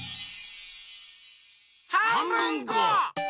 はんぶんこ！